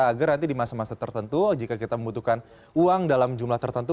agar nanti di masa masa tertentu jika kita membutuhkan uang dalam jumlah tertentu